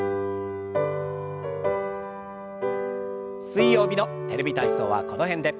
水曜日の「テレビ体操」はこの辺で。